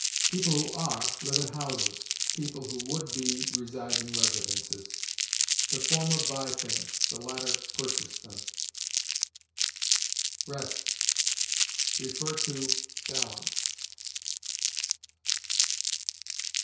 People who are live in houses; people who would be reside in residences. The former buy things; the latter purchase them. REST. See BALANCE.